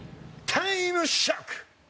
タイムショック！